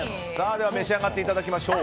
では召し上がっていただきましょう。